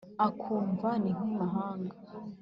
akumva ni nk’ i mahanga